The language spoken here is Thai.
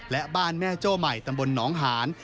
และบ้านแม่โจ้ใหม่ตำบลหนองหาน